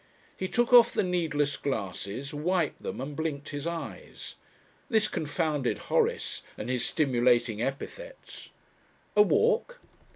He took off the needless glasses, wiped them, and blinked his eyes. This confounded Horace and his stimulating epithets! A walk?